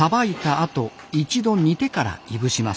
あと一度煮てからいぶします。